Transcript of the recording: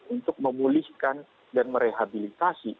untuk memulihkan dan merehabilitasi